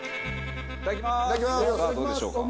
さあどうでしょうか？